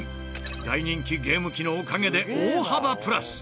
大人気ゲーム機のおかげで大幅プラス。